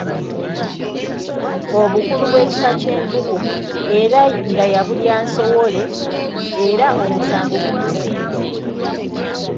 Obukulu bw'Ekika ky'Envubu, era nga yabulya nsowole; era omusango gumusinze.